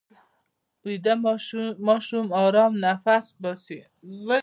ویده ماشوم ارام نفس باسي